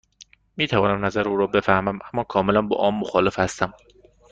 می توانم نظر او را بفهمم، اما کاملا با آن مخالف هستم.